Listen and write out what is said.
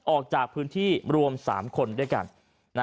ออกจากพื้นที่รวม๓คนด้วยกัน